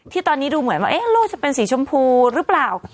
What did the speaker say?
ที่ตอนนี้ดูเหมือนว่าโลกจะเป็นสีชมพูหรือเปล่า